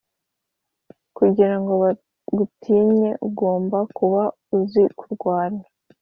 kugira ngo bagutinye ugomba kuba uzikurwana